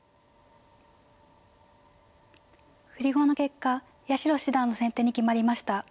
振り駒の結果八代七段の先手に決まりました。